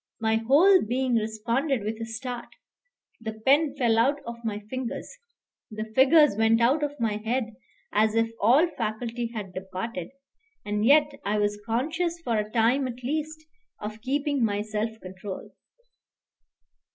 My whole being responded with a start. The pen fell out of my fingers, the figures went out of my head as if all faculty had departed; and yet I was conscious for a time at least of keeping my self control.